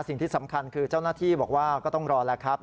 สิ่งที่สำคัญคือเจ้าหน้าที่บอกว่าก็ต้องรอแล้วครับ